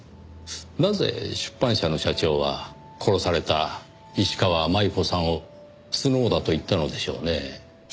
なぜ出版社の社長は殺された石川真悠子さんをスノウだと言ったのでしょうねぇ。